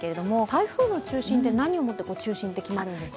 台風の中心って、何をもって中心と決まるんですか？